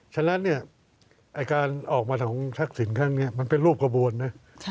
ฉะนั้นเนี่ยการออกมาของทักษิณครั้งนี้มันเป็นรูปกระบวนนะ